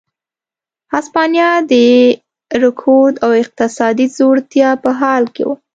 هسپانیا د رکود او اقتصادي ځوړتیا په حال کې وه.